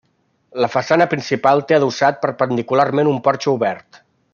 La façana principal té adossat perpendicularment un porxo obert.